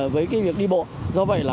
với cái việc đi bộ do vậy là